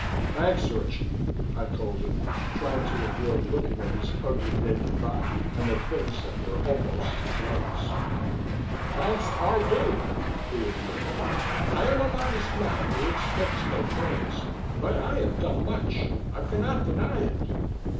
"Thanks, Zorchi," I told him, trying to avoid looking at his ugly, naked body and the things that were almost his legs. "Thanks are due," he admitted. "I am a modest man who expects no praise, but I have done much. I cannot deny it.